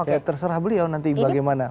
oke terserah beliau nanti bagaimana